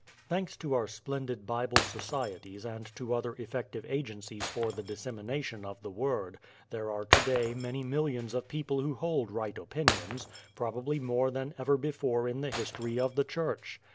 Thanks to our splendid Bible societies and to other effective agencies for the dissemination of the Word, there are today many millions of people who hold "right opinions," probably more than ever before in the history of the Church.